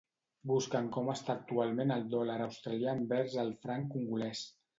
Busca'm com està actualment el dòlar australià envers el franc congolès.